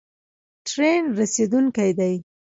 ټرین رسیدونکی دی